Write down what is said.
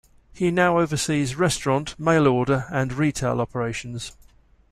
He now oversees restaurant, mail order and retail operations.